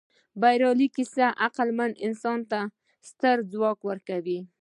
بریالۍ کیسه عقلمن انسان ته ستر ځواک ورکوي.